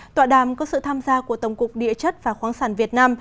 tọa đàm có sự tham gia của tổng cục địa chất và khoáng sản việt nam